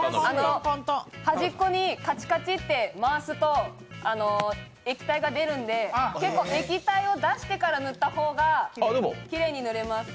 端っこをカチカチと回すと液体が出るんで、結構、液体を出してから塗った方がきれいにぬれます。